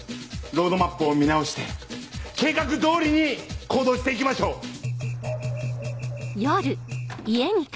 ロードマップを見直して計画通りに行動して行きましょう！